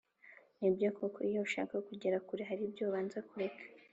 ni byo koko iyo ushaka kugera kure haribyo ubanza kureka